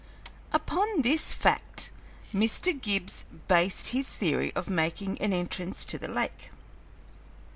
Upon this fact Mr. Gibbs based his theory of making an entrance to the lake.